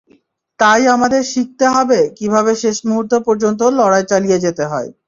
তাই আমাদের শিখতে হবে, কীভাবে শেষ মুহূর্ত পর্যন্ত লড়াই চালিয়ে যেতে হয়।